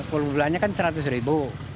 kalau bulannya kan seratus ribu